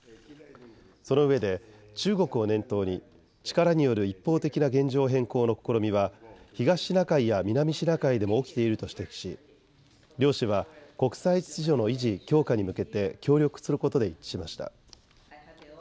そのうえで中国を念頭に力による一方的な現状変更の試みは東シナ海や南シナ海でも起きていると指摘し両氏は国際秩序の維持、強化に向けて協力することで一致しました。